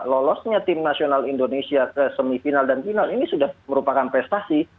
lolosnya tim nasional indonesia ke semifinal dan final ini sudah merupakan prestasi